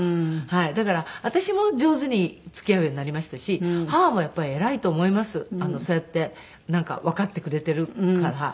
だから私も上手に付き合うようになりましたし母も偉いと思いますそうやってわかってくれているから。